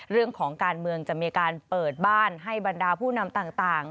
เรื่องของการเมืองจะมีการเปิดบ้านให้บรรดาผู้นำต่าง